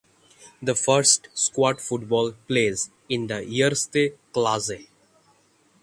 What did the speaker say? The first squad football plays in the Eerste Klasse.